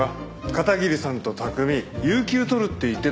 片桐さんと拓海有休取るって言ってただろ。